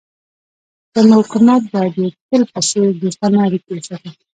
زموږ حکومت به د تل په څېر دوستانه اړیکې وساتي.